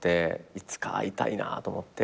いつか会いたいなと思って。